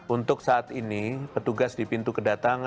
untuk saat ini petugas di pintu kedatangan